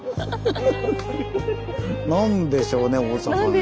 何でしょうね大阪ね。